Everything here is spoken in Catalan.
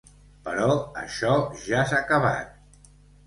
Però això ja s’ha acabat.